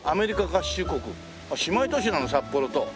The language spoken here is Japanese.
あっ姉妹都市なの札幌と。